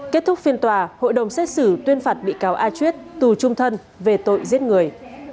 kết thúc phiên tòa hội đồng xét xử tuyên phạt bị cáo a chuyết tù trung thân về tội giết người